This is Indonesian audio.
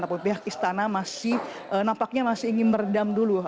tapi pihak istana masih nampaknya masih ingin meredam dulu